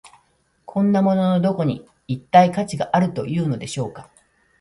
こんなもののどこに、一体価値があるというのでしょうか。